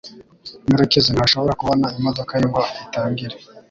murekezi ntashobora kubona imodoka ye ngo itangire